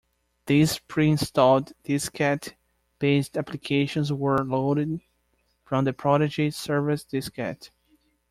These pre-installed diskette-based applications were loaded from the Prodigy Service diskette.